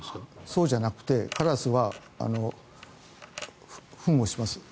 そうじゃなくてカラスはフンをします